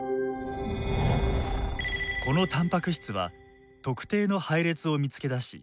このたんぱく質は特定の配列を見つけ出し